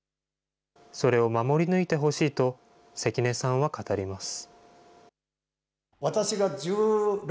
それを守り抜いてほしいと、関根さんは語ります。